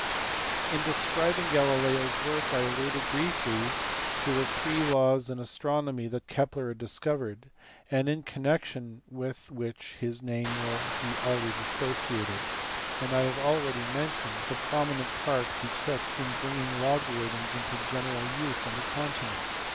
In describing Galileo s work I alluded briefly to the three laws in astronomy that Kepler had discovered, and in connec tion with which his name will be always associated ; and I have already mentioned the prominent part he took in bring ing logarithms into general use on the continent.